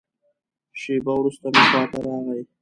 شېبه وروسته مې خوا ته راغی.